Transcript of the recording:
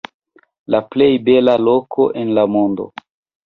La plej bela loko en la mondo.